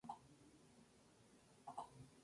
La tierra hueca es una teoría ejemplar.